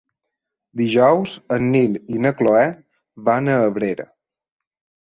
Dijous en Nil i na Cloè van a Abrera.